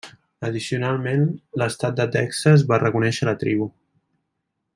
Addicionalment, l'estat de Texas va reconèixer la tribu.